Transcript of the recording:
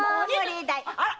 あら！